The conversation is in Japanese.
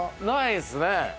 ないっすね